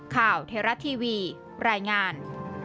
ข่าวเทราะทีวีรายงาน